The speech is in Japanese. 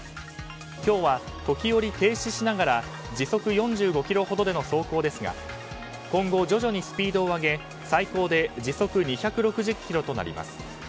今日は時折停止しながら時速４５キロほどでの走行ですが今後、徐々にスピードを上げ最高で時速２６０キロとなります。